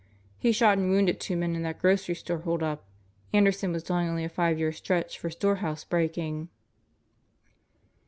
He shot and wounded two men in that grocery store holdup. Anderson was doing only a five year stretch for storehouse breaking."